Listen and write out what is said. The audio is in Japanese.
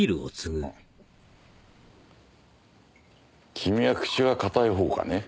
君は口は堅いほうかね？